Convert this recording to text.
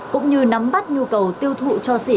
cũng như nắm bắt nhu cầu tiêu thụ cho xỉ